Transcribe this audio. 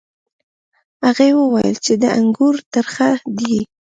هغې وویل چې دا انګور ترخه دي.